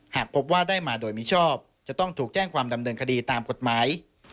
หากพบว่าได้มาโดยมิชอบจะต้องถูกแจ้งความดำเนินคดีตามกฎหมาย